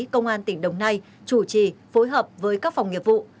công an tỉnh đồng nai chủ trì phối hợp với các phòng nghiệp vụ